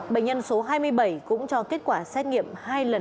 bệnh nhân số hai mươi bảy cũng cho kết quả xét nghiệm hai lần âm tính